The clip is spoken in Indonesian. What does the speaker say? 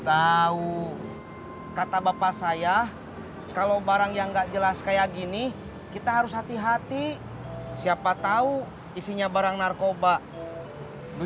saksikan film kamu tidak sendiri